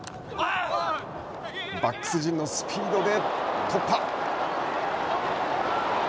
バックス陣のスピードで突破。